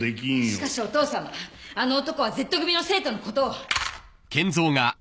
しかしお父さまあの男はＺ組の生徒のことを。